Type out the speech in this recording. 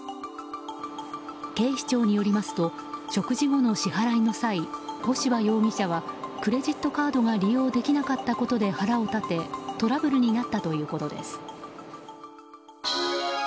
警視庁によりますと食事後の支払いの際干場容疑者はクレジットカードが利用できなかったことで腹を立てトラブルになったということです。